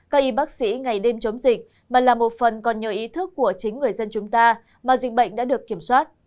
các y bác sĩ ngày đêm chống dịch mà là một phần còn nhờ ý thức của chính người dân chúng ta mà dịch bệnh đã được kiểm soát